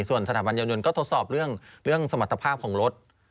ส่วนสถาบันยาวยนต์ก็ทดสอบเรื่องสมรรถภาพของรถ